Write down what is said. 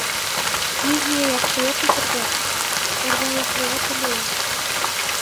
— Мин һиңә яҡшылыҡ итергә, ярҙамлашырға теләйем.